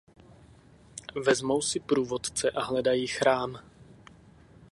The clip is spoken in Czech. Vezmou si průvodce a hledají chrám.